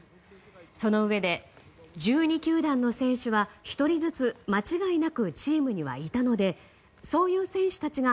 そのうえで１２球団の選手は１人ずつ間違いなくチームにはいたのでそういう選手たちが